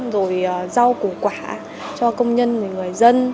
rồi rau củ quả cho công nhân người dân